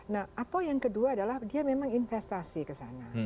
nah atau yang kedua adalah dia memang investasi kesana